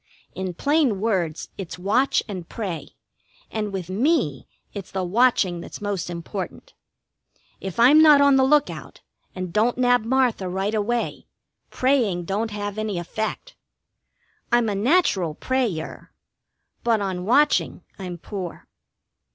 In plain words, its watch and pray, and with me it's the watching that's most important. If I'm not on the lookout, and don't nab Martha right away, praying don't have any effect. I'm a natural pray er, but on watching I'm poor.